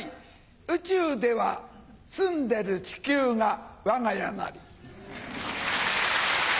宇宙では住んでる地球が我が家なり。